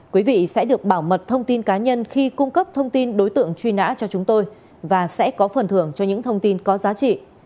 quý vị sẽ được bảo mật thông tin cá nhân khi cung cấp thông tin đối tượng truy nã cho chúng tôi và sẽ có phần thưởng cho những thông tin có giá trị